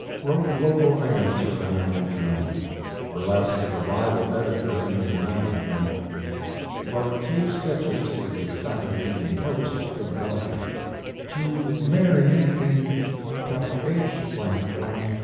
Wrote local items for the Hannibal Journal. Burlesque of a rival editor in the Hannibal Journal. Wrote two sketches for The Sat. Eve. Post (Philadelphia). To MARY IN H l.